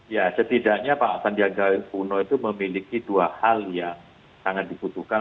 ya setidaknya pak sandiaga uno itu memiliki dua hal yang sangat dibutuhkan